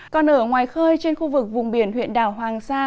còn ở ngoài khơi trên khu vực vùng biển huyện đảo hoàng sa